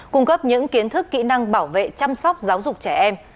cung cấp những kiến thức kỹ năng bảo vệ chăm sóc giáo dục trẻ em